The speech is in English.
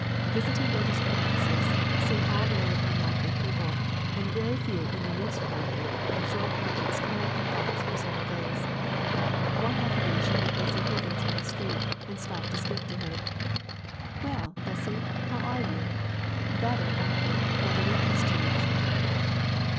Visiting register offices, seeing all manner of unlikely people, and very few in the least likely, absorbed Margaret's time and thoughts for several days. One afternoon she met Bessy Higgins in the street, and stopped to speak to her. "Well, Bessy, how are you? Better, I hope, now the wind has changed."